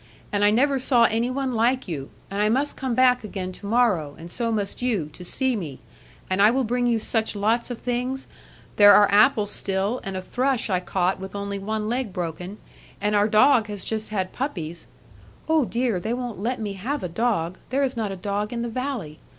And I never saw any one like you, and I must come back again to morrow, and so must you, to see me; and I will bring you such lots of things there are apples still, and a thrush I caught with only one leg broken, and our dog has just had puppies ' 'Oh, dear, they won't let me have a dog. There is not a dog in the valley.